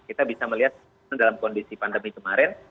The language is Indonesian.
kita bisa melihat dalam kondisi pandemi kemarin